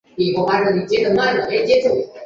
建中二年。